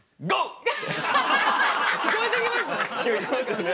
聞こえてきました。